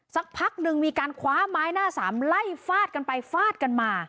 สักพักหนึ่งมีการคว้าไม้หน้าสามไล่ฟาดกันไปฟาดกันมา